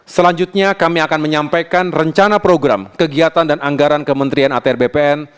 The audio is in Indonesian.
selanjutnya kami akan menyampaikan rencana program kegiatan dan anggaran kementerian atr bpn